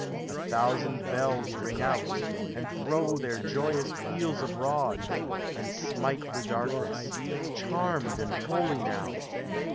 A thousand bells ring out, and throw Their joyous peals abroad, and smite The darkness — charmed and holy now!